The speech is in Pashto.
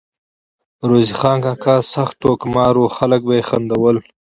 روزې خان کاکا سخت ټوکمار وو ، خلک به ئی خندول